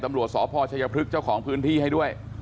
ตำรวจสพชัยพฤกษ์เจ้าของพื้นที่ให้ด้วย